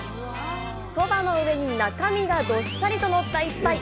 そばの上に中味がどっさりとのった一杯。